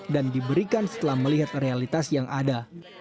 dan diberikan setelah melihat realitas yang ada